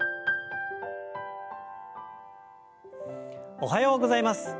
おはようございます。